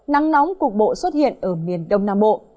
nắng nóng cục bộ xuất hiện ở miền đông nam bộ